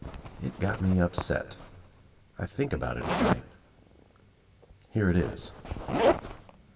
It got me upset. I think about It at night. Here it Is.